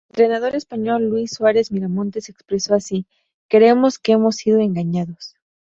El entrenador español Luis Suárez Miramontes se expresó así: "Creemos que hemos sido engañados...